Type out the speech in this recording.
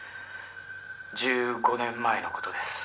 １５年前の事です」